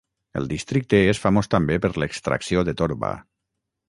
El districte és famós també per l'extracció de torba.